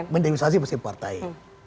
mendivisasi mesin partai